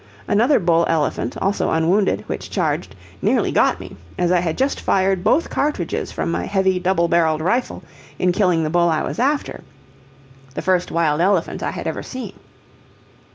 Another bull elephant, also unwounded, which charged, nearly got me, as I had just fired both cartridges from my heavy double barreled rifle in killing the bull I was after the first wild elephant I had ever seen.